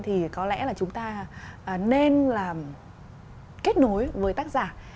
thì có lẽ là chúng ta nên là kết nối với tác giả